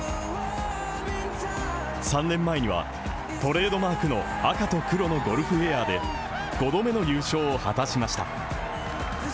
３年前にはトレードマークの赤と黒のゴルフウエアで５度目の優勝を果たしました。